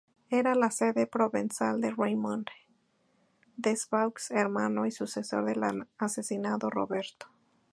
Era la sede provenzal de Raymond des Baux, hermano y sucesor del asesinado Roberto.